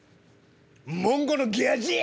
モンゴのギャジャ！